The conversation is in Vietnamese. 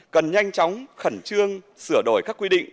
cần nhanh chóng khẩn trương sửa đổi các quy định